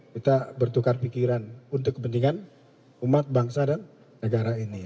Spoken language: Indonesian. kita bertukar pikiran untuk kepentingan umat bangsa dan negara ini